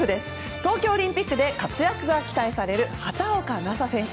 東京オリンピックで活躍が期待される畑岡奈紗選手。